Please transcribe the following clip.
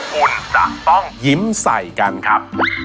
คุณจะต้องยิ้มใส่กันครับ